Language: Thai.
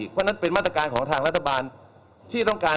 เพราะถือว่าคุณไม่มีความรับผิดชอบต่อสังคม